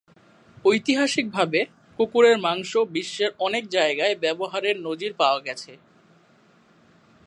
ঐতিহাসিকভাবে, কুকুরের মাংস বিশ্বের অনেক জায়গায় ব্যবহারের নজির পাওয়া গেছে।